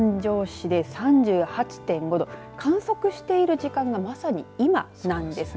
市で３８．５度観測している時間がまさに、今なんです。